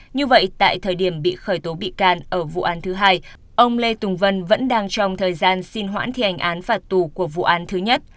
như vậy tại thời điểm bị khởi tố bị can ở vụ án thứ hai ông lê tùng vân vẫn đang trong thời gian xin hoãn thi hành án phạt tù của vụ án thứ nhất